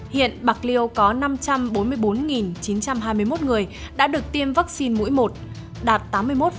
hiện bạc liêu có năm trăm bốn mươi bốn chín trăm hai mươi một người đã được tiêm vaccine mũi một đạt tám mươi một